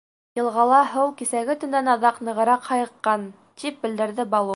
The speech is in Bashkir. — Йылғала һыу кисәге төндән аҙаҡ нығыраҡ һайыҡҡан, — тип белдерҙе Балу.